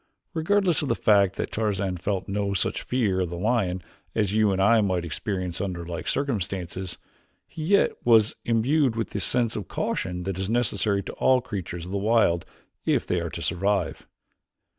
Regardless of the fact that Tarzan felt no such fear of the lion as you and I might experience under like circumstances, he yet was imbued with the sense of caution that is necessary to all creatures of the wild if they are to survive.